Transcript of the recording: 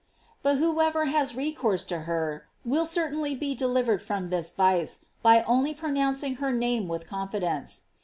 But whoever has recourse to her will certainly be delivered from this vice by only pronouncing her name with confidence.